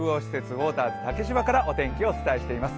ウォーターズ竹芝からお伝えしています。